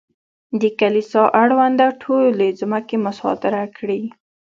د کلیسا اړونده ټولې ځمکې مصادره کړې.